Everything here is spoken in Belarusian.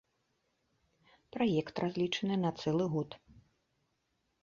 Праект разлічаны на цэлы год.